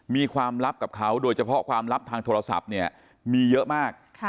มีความลับกับเขาโดยเฉพาะความลับทางโทรศัพท์เนี่ยมีเยอะมาก